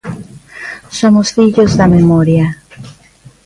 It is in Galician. Somos fillos da memoria.